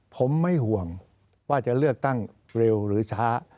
ผมไม่ห่วงว่าจะเลือกตั้งเร็วหรือช้า